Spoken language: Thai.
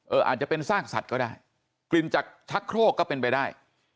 อาจจะเป็นซากสัตว์ก็ได้กลิ่นจากชักโครกก็เป็นไปได้